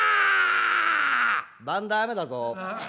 「番台雨だぞ。